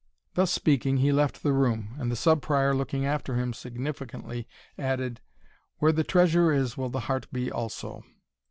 Thus speaking, he left the room; and the Sub Prior, looking after him significantly, added, "Where the treasure is will the heart be also."